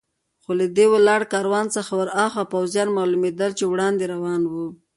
خو له دې ولاړ کاروان څخه ور هاخوا پوځیان معلومېدل چې وړاندې روان و.